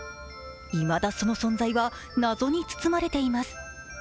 いまだその存在は謎に包まれています。